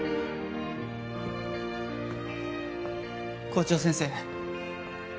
校長先生。